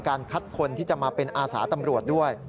คัดคนที่จะมาเป็นอาสาตำรวจด้วย